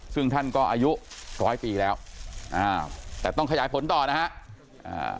ซึ่งท่านก็อายุร้อยปีแล้วอ่าแต่ต้องขยายผลต่อนะฮะ